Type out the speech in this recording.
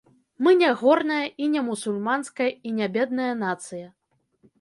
Мы не горная і не мусульманская і не бедная нацыя.